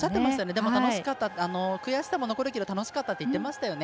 でも、悔しさも残るけど楽しかったといってましたよね。